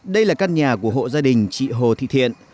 đây là căn nhà của hộ gia đình chị hồ thị thiện